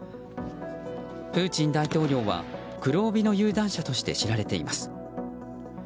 プーチン大統領は黒帯の有段者として知られています。